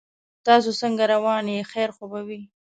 تاسو څنګه روان یې خیر خو به وي